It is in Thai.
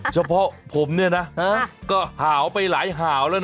เฉพาะผมเนี่ยนะก็หาวไปหลายหาวแล้วนะ